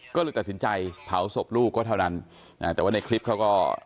ก็เลยตัดสินใจเผาศพลูกก็เท่านั้นแต่ว่าในคลิปเขาก็